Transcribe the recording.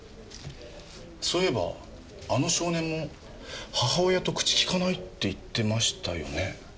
そういえばあの少年も母親と口利かないって言ってましたよね？